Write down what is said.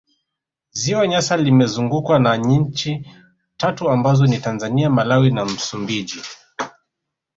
Ziwa Nyasa limezungukwa na nchi tatu ambazo ni Tanzania Malawi na Msumbiji